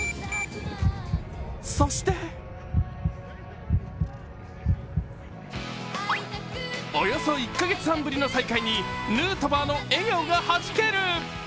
そしておよそ１カ月半ぶりの再会にヌートバーの笑顔がはじける。